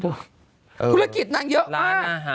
ธุรกิจนางเยอะมาก